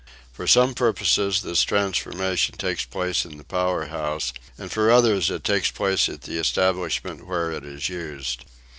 For some purposes this transformation takes place in the power house, and for others it takes place at the establishment where it is used.